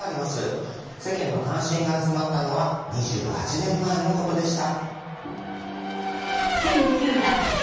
世間の関心が集まったのは２８年前のことでした。